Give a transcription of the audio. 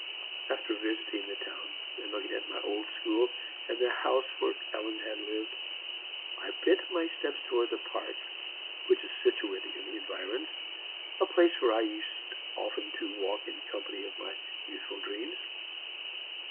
After visiting the town and looking at my old school, and the house where Ellen had lived, I bent my steps towards the park, which is situated in the environs a place where I used often to walk in company of my youthful dreams.